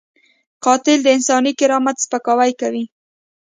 قاتل د انساني کرامت سپکاوی کوي